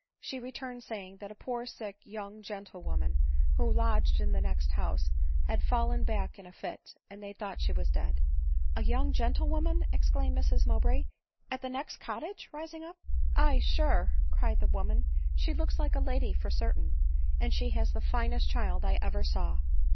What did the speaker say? She returned, saying that a poor sick young gentlewo man, who lodged at the next house, was fallen back in a fit, and they thought she was dead. " A young gentlewoman," exclaimed Mrs Mowbray, "at the next cottage !" rising up. " Ay sure," cried the woman, " she looks like a lady for certain, and she has the finest child I ever saw."